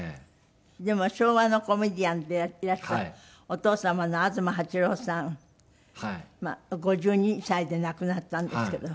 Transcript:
でも昭和のコメディアンでいらしたお父様の東八郎さん５２歳で亡くなったんですけど。